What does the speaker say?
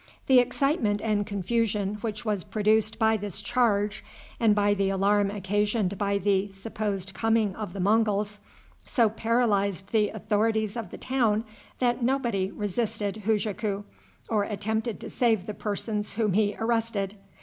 The excitement and confusion which was produced by this charge, and by the alarm occasioned by the supposed coming of the Monguls, so paralyzed the authorities of the town that nobody resisted Hujaku, or attempted to save the persons whom he arrested.